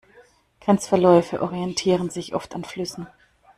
Grenzverläufe orientieren sich oft an Flüssen.